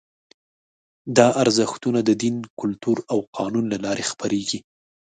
دا ارزښتونه د دین، کلتور او قانون له لارې خپرېږي.